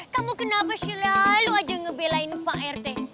kamu kenapa selalu aja ngebelain pak rt